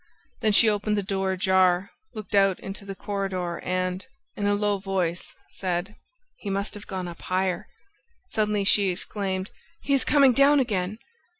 Then she opened the door ajar, looked out into the corridor and, in a low voice, said: "He must have gone up higher." Suddenly she exclaimed: "He is coming down again!"